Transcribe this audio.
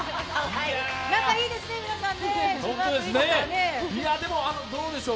仲がいいですね、皆さん。